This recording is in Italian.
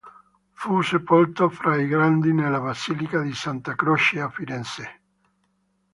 Fu sepolto fra i grandi nella basilica di Santa Croce a Firenze.